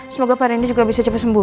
semoga pak rendi juga bisa cepat sembuh